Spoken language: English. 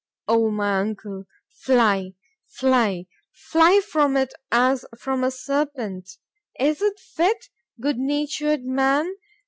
—O my uncle;—fly—fly,—fly from it as from a serpent.——Is it fit——goodnatured man!